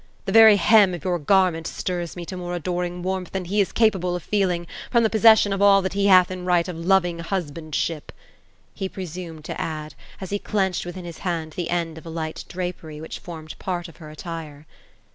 ^ The very hem of your garment stirs me to more adoring warmth than he is capable of feeling, from the posses sion of all that he hath in right of loving husbandship ;" he presumed lo add, as he clenched within his hand the end of a light drapery, which formed part of her attire.